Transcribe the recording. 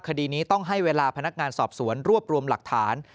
คดีนี้ต้องให้เวลาพนักงานสอบสวนรวบรวมหลักฐาน